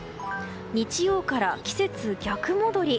日曜から季節逆戻り。